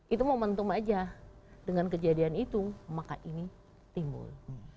itu momentum aja dengan kejadian itu maka ini timbul